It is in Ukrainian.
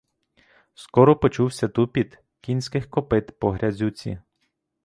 Скоро почувся тупіт кінських копит по грязюці.